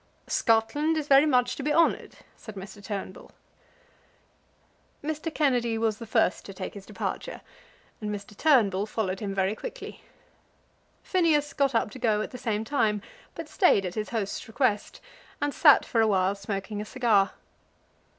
"Scotland is very much to be honoured," said Mr. Turnbull. Mr. Kennedy was the first to take his departure, and Mr. Turnbull followed him very quickly. Phineas got up to go at the same time, but stayed at his host's request, and sat for awhile smoking a cigar.